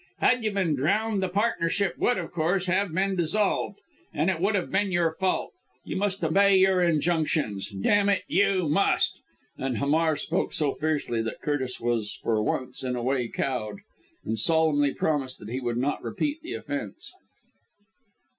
Had you been drowned, the partnership, would, of course, have been dissolved and it would have been your fault! You must obey your injunctions! Damn it, you must!" And Hamar spoke so fiercely that Curtis was for once in a way cowed, and solemnly promised that he would not repeat the offence.